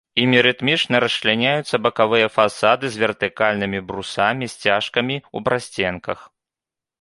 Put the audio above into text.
Імі рытмічна расчляняюцца бакавыя фасады з вертыкальнымі брусамі-сцяжкамі ў прасценках.